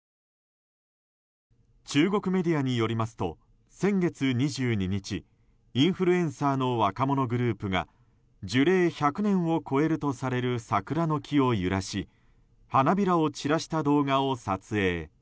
中国メディアによりますと先月２２日インフルエンサーの若者グループが樹齢１００年を超えるとされる桜の木を揺らし花びらを散らした動画を撮影。